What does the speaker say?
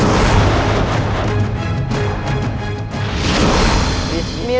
ingat itu adikku